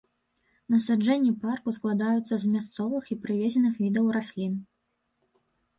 Насаджэнні парку складаюцца з мясцовых і прывезеных відаў раслін.